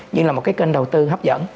như là một cái kênh đầu tư hấp dẫn